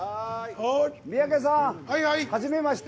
三宅さん、はじめまして！